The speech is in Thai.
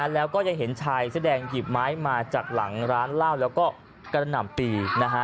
แล้วก็ยังเห็นชายเสื้อแดงหยิบไม้มาจากหลังร้านเหล้าแล้วก็กระหน่ำปี